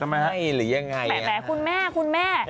ทำไมครับแหละคุณแม่คุณแม่